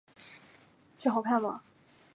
此霸王之资也。